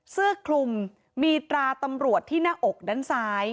เสื้อคลุมมีตราตำรวจที่หน้าอกด้านซ้าย